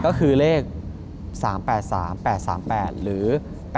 ก็คือเลข๓๘๓๘๓๘หรือ๘๘